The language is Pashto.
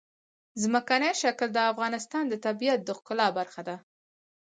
ځمکنی شکل د افغانستان د طبیعت د ښکلا برخه ده.